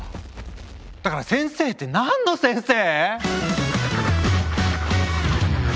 だから先生って何の先生？